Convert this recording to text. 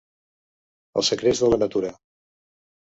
Els secrets de la natura.